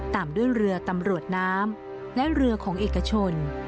ตามด้วยเรือตำรวจน้ำและเรือของเอกชน